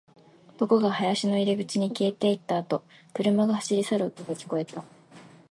男が林の入り口に消えていったあと、車が走り去る音が聞こえた